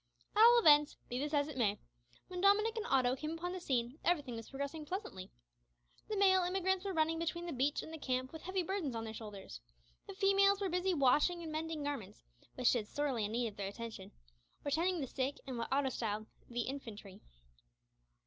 At all events, be this as it may, when Dominick and Otto came upon the scene everything was progressing pleasantly. The male emigrants were running between the beach and the camp with heavy burdens on their shoulders. The females were busy washing and mending garments, which stood sorely in need of their attention, or tending the sick and what Otto styled the infantry.